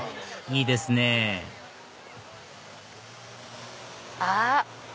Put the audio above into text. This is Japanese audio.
いいですねあ！